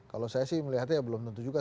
kalau saya sih melihatnya belum tentu juga